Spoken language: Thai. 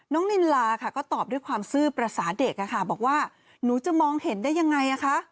น้องนิลาค่ะก็ตอบด้วยความซื้อประสาทเด็กค่ะบอกว่าหนูจะมองเห็นได้ยังไงอ่ะค่ะ